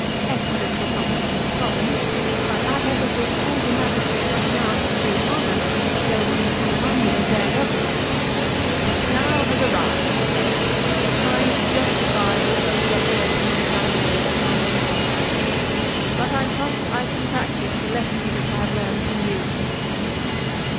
1 Ephesus was not in his province, but at Ephesus all the magistrates came out to do him honour, as though he had come among them as their governor. ''Now has arrived," he says, "the time to justify all those declarations which I have made as to my own conduct. But I trust I can practise the lessons which I have learned from you."